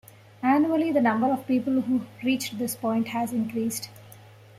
Annually the number of people who reached this point has increased.